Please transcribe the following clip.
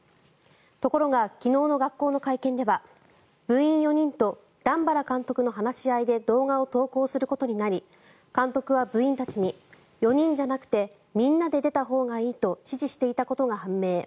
ところが昨日の学校の会見では部員４人と段原監督の話し合いで動画を投稿することになり監督は部員たちに４人じゃなくてみんなで出たほうがいいと指示していたことが判明。